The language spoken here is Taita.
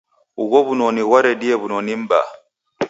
Ugho w'unoni ghwaredie w'unoni m'baa.